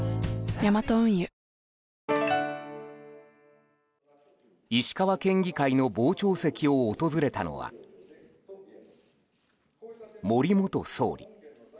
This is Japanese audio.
ヤマト運輸石川県議会の傍聴席を訪れたのは森元総理。